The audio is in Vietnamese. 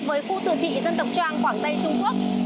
với khu tự trị dân tộc trang quảng tây trung quốc